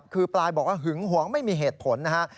คือปลายบอกว่าหึงหวงไม่มีเหตุผลนะฮะ